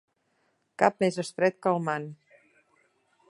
Cap més estret que el mant.